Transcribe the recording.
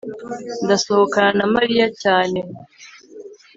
ndasohokana na mariya cyane